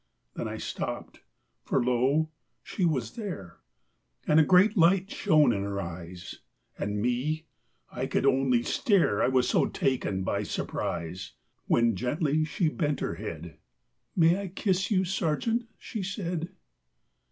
Then I stopped, for lo! she was there, And a great light shone in her eyes. And me! I could only stare, I was taken so by surprise, When gently she bent her head: "May I kiss you, Sergeant?" she said.